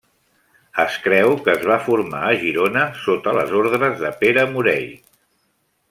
Es creu que es va formar a Girona sota les ordres de Pere Morei.